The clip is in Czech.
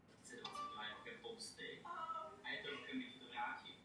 Tito mučedníci byli zařazeni mezi české zemské patrony neboli ochránce.